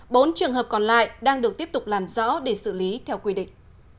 bốn trường hợp còn lại đang được tiếp tục làm rõ để xử lý theo quy định